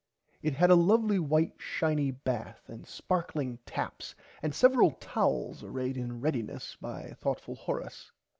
It had a lovly white shiny bath and sparkling taps and several towels arrayed in readiness by thourghtful Horace.